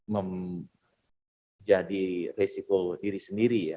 menjadi resiko diri sendiri ya